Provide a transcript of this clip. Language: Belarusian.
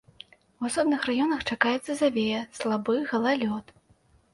У асобных раёнах чакаецца завея, слабы галалёд.